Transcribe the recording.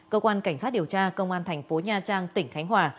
cơ quan cảnh sát điều tra công an thành phố nha trang tỉnh khánh hòa